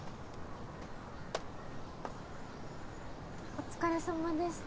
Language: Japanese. お疲れさまでした